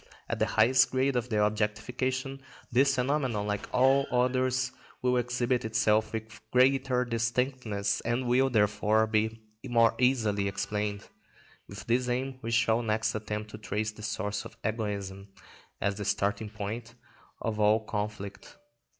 At the highest grade of the objectification, this phenomenon, like all others, will exhibit itself with greater distinctness, and will therefore be more easily explained. With this aim we shall next attempt to trace the source of egoism as the starting point of all conflict.